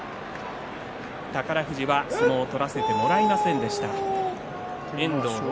宝富士は相撲を取らせてもらえませんでした。